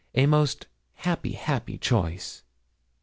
A most happy, happy choice.'